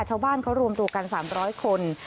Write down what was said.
ชาวบ้านเขารวมตัวกัน๓๐๐คน